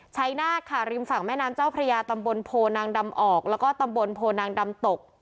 ชัยนาธค่ะริมฝั่งแม่น้ำเจ้าพระยาตำบลโพนางดำออกแล้วก็ตำบลโพนางดำตก